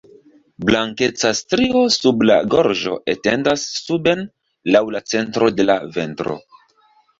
Blankeca strio sub la gorĝo etendas suben laŭ la centro de la ventro.